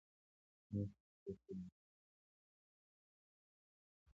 • شنې سترګې د طبیعت د ښایسته اړخ یوه نښه ده.